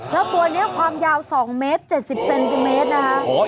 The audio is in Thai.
แล้วตัวนี้ความยาว๒เมตร๗๐เซนติเมตรนะคะ